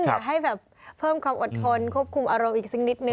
อยากให้แบบเพิ่มความอดทนควบคุมอารมณ์อีกสักนิดนึ